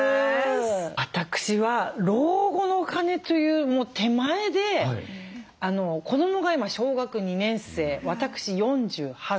私は老後のお金というもう手前で子どもが今小学２年生私４８歳。